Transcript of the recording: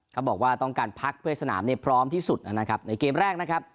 เขาบอกว่าต้องการพักเพื่อให้สนามเนี่ยพร้อมที่สุดนะครับในเกมแรกนะครับ